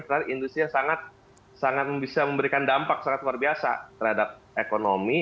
karena industri yang sangat bisa memberikan dampak sangat luar biasa terhadap ekonomi